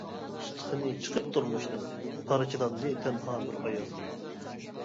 ئۇستىخىنى چىقىپ تۇرمۇشنىڭ، پارچىلاندى تەنھا بىر ئايال.